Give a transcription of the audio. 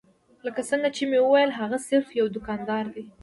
لکه څنګه چې مې وويل هغه صرف يو دوکاندار دی.